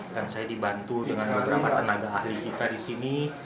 dan saya dibantu dengan beberapa tenaga ahli kita di sini